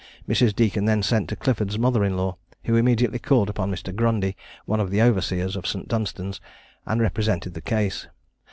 Mrs. Deacon then sent to Clifford's mother in law, who immediately called upon Mr. Grundy, one of the overseers of St. Dunstan's, and represented the case.